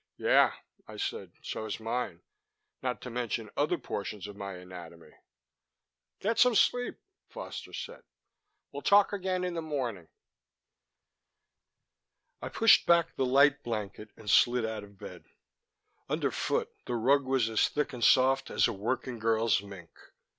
"Yeah," I said, "so is mine not to mention other portions of my anatomy." "Get some sleep," Foster said. "We'll talk again in the morning." I pushed back the light blanket and slid out of bed. Underfoot, the rug was as thick and soft as a working girl's mink.